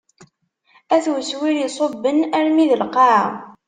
At weswir iṣubben armi d lqaɛa.